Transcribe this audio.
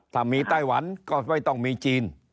ถ้ามีไต้หวันก็ไม่ต้องมีจีน